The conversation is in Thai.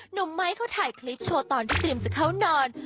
น้องไมค์เขาถ่ายคลิปโชว์ตอนที่สิมจะเข้านอน